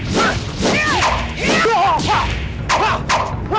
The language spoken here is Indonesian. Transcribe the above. sebelum menghentikan kejahatan kalian berdua